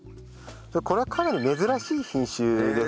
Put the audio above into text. これはかなり珍しい品種ですね。